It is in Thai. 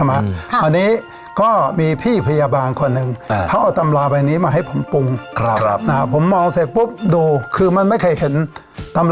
มันมีแอลกอฮอล์ทำให้รักแดมมันมีปัญหา